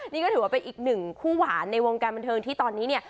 นี่ก็ถือว่าเป็นอีกหนึ่งคู่หวานในวงการบันเทิงที่ตอนนี้เนี่ย